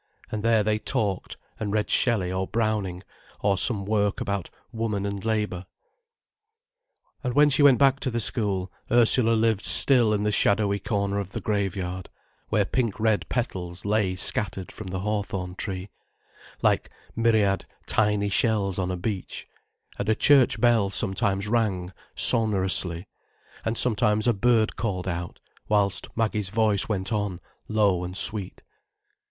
And there they talked and read Shelley or Browning or some work about "Woman and Labour". And when she went back to school, Ursula lived still in the shadowy corner of the graveyard, where pink red petals lay scattered from the hawthorn tree, like myriad tiny shells on a beach, and a church bell sometimes rang sonorously, and sometimes a bird called out, whilst Maggie's voice went on low and sweet.